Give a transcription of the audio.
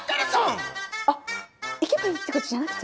いけばいいってことじゃなくて？